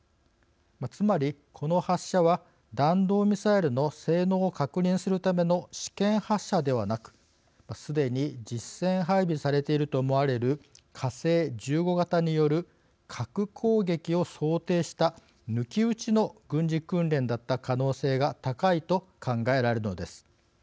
つまりこの発射は弾道ミサイルの性能を確認するための試験発射ではなくすでに実戦配備されていると思われる火星１５型による核攻撃を想定した抜き打ちの軍事訓練だった可能性が高いと考えられるのです。